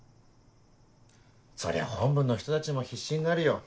そりゃ本部の人たちも必死になるよ。